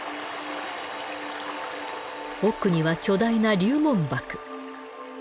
奥には巨大な龍門瀑。